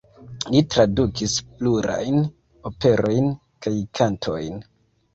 Li tradukis plurajn operojn kaj kantojn.